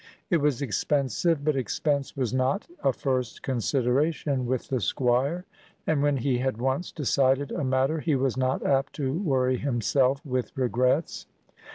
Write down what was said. It was expensive, but expense was not a first consideration with the Squire, and when he had once decided a matter, he was not apt to worry himself with regrets.